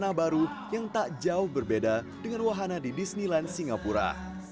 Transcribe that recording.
warna baru yang tak jauh berbeda dengan wahana di disneyland singapura